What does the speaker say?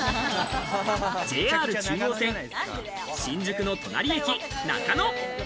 ＪＲ中央線新宿の隣駅、中野。